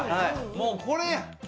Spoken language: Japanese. もうこれや！